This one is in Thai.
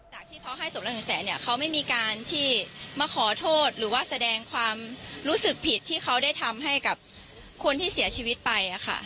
จากที่เขาให้ศพละหนึ่งแสนเนี่ยเขาไม่มีการที่มาขอโทษหรือว่าแสดงความรู้สึกผิดที่เขาได้ทำให้กับคนที่เสียชีวิตไป